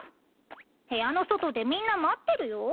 部屋の外でみんな待ってるよ